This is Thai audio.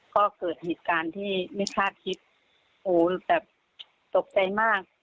ก็เกิดเหตุการณ์ที่ไม่คาดคิดโหแบบตกใจมาก